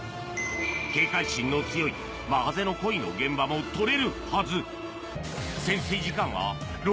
警戒心の強いマハゼの恋の現場も撮れるはず。